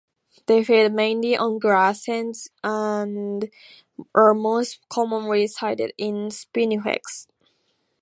They feed mainly on grass seeds and are most commonly sighted in spinifex.